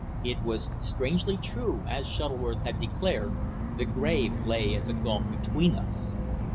It was strangely true, as Shuttleworth had declared, the grave lay as a gulf between us.